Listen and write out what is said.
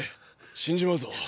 死んじまうぞ。